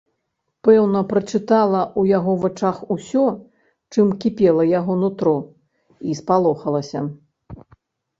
Пэўна, прачытала ў яго вачах усё, чым кіпела яго нутро, і спалохалася.